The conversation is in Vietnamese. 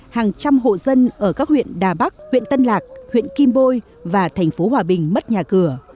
hàng trăm hộ dân ở các huyện đà bắc huyện tân lạc huyện kim bôi và thành phố hòa bình mất nhà cửa